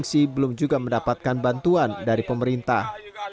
pemerintah di sini belum juga mendapatkan bantuan dari pemerintah